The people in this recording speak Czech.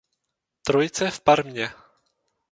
Trojice v Parmě.